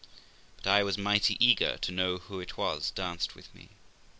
But I was mighty eager to know who it was danced with me.